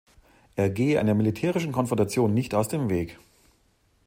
Er gehe einer militärischen Konfrontation nicht aus dem Weg.